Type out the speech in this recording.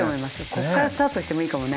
こっからスタートしてもいいかもね。